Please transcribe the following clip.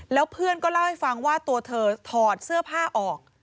แล้วเพื่อนก็เล่าให้ฟังว่าตัวเธอถอดเสื้อผ้าออก